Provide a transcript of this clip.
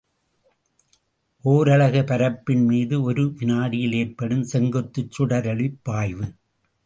ஒரலகு பரப்பின் மீது ஒரு வினாடியில் ஏற்படும் செங்குத்துச் சுடரொளிப் பாய்வு.